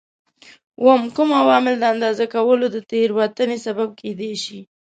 اووم: کوم عوامل د اندازه کولو د تېروتنې سبب کېدای شي؟